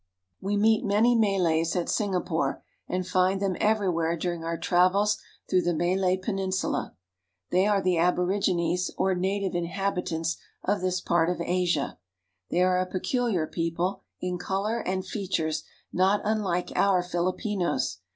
We meet many Malays at Singapore and find them every where during our travels through the Malay Peninsula. 2o8 SINGAPORE AND THE MALAYS They are the aborigines or native inhabitants of this part of Asia. They are a peculiar people, in color and features not unlike our Filipinos.